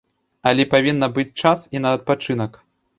Але павінна быць час і на адпачынак.